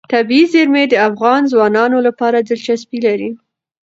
طبیعي زیرمې د افغان ځوانانو لپاره دلچسپي لري.